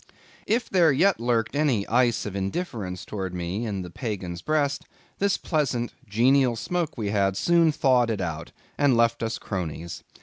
If there yet lurked any ice of indifference towards me in the Pagan's breast, this pleasant, genial smoke we had, soon thawed it out, and left us cronies.